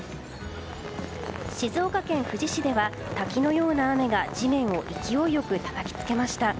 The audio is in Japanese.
静岡県富士市では滝のような雨が地面を勢いよくたたきつけました。